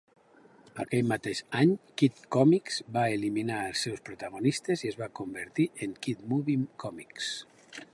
Aquell mateix any, "Kid Komics" va eliminar els seus protagonistes i es va convertir en "Kid Movie Comics".